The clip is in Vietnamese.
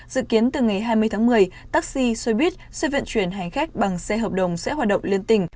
dự kiến từ ngày hai mươi tháng một mươi taxi xe buýt xe vận chuyển hành khách bằng xe hợp đồng sẽ hoạt động liên tỉnh